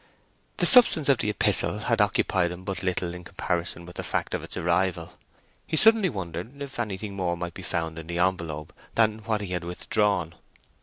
The substance of the epistle had occupied him but little in comparison with the fact of its arrival. He suddenly wondered if anything more might be found in the envelope than what he had withdrawn.